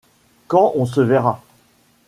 Quand on se verra.